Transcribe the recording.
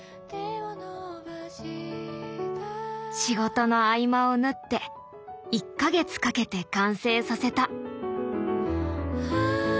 仕事の合間を縫って１か月かけて完成させた。